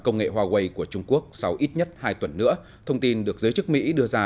công nghệ huawei của trung quốc sau ít nhất hai tuần nữa thông tin được giới chức mỹ đưa ra